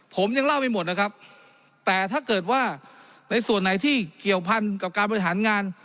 ผมยังเล่าไม่หมดนะครับแต่ถ้าเกิดว่าในส่วนไหนที่เกี่ยวพันกับการบริหารงาน